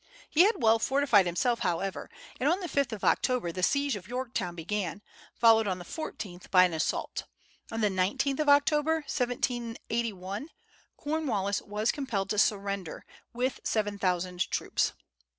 He had well fortified himself, however, and on the 5th of October the siege of Yorktown began, followed on the 14th by an assault. On the 19th of October, 1781, Cornwallis was compelled to surrender, with seven thousand troops.